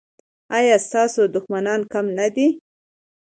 ایا ستاسو دښمنان کم نه دي؟